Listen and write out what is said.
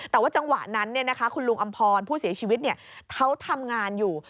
แต่ว่าจังหวะนั้นคุณลุงอำพรผู้เสียชีวิตเขาทำงานอยู่